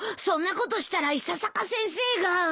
そんなことしたら伊佐坂先生が。